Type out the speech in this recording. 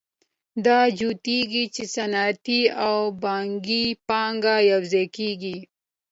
دا جوتېږي چې صنعتي او بانکي پانګه یوځای کېږي